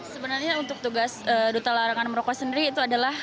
sebenarnya untuk tugas duta larangan merokok sendiri itu adalah